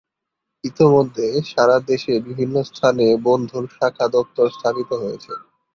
ইতোমধ্যে সারা দেশে বিভিন্ন স্থানে বন্ধু’র শাখা দপ্তর স্থাপিত হয়েছে।